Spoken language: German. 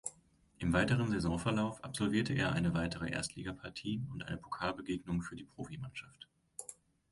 Im weiteren Saisonverlauf absolvierte er eine weitere Erstligapartie und eine Pokalbegegnung für die Profimannschaft.